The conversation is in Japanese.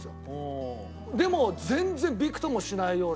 でも全然びくともしないような石で。